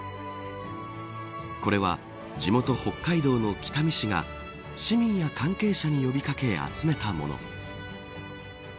これは地元、北海道の北見市が市民や関係者に呼び掛け集めたもの。